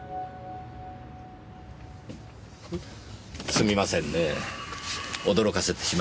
すみませんねぇ驚かせてしまいましたか。